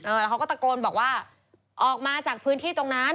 แล้วเขาก็ตะโกนบอกว่าออกมาจากพื้นที่ตรงนั้น